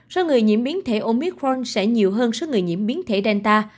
số người nhiễm biến thể omicron sẽ nhiều hơn số người nhiễm biến thể delta